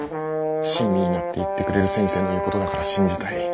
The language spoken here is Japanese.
親身になって言ってくれる先生の言うことだから信じたい。